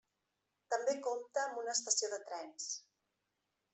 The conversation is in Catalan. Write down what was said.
També compta amb una estació de trens.